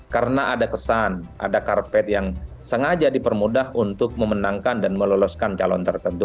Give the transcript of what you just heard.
karena ada kesan ada karpet yang sengaja dipermudah untuk memenangkan dan meloloskan calon tertentu